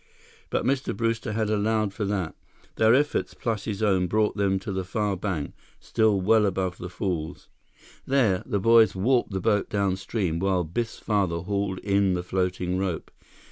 But Mr. Brewster had allowed for that. Their efforts, plus his own, brought them to the far bank, still well above the falls. There, the boys warped the boat downstream while Biff's father hauled in the floating rope.